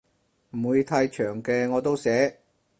唔會太長嘅我都寫